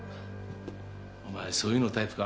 お前そういうのタイプか？